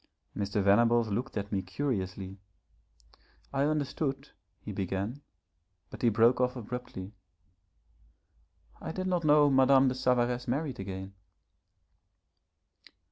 Mr. Venables looked at me curiously. 'I understood,' he began, but he broke off abruptly. 'I did not know Madame de Savaresse married again.'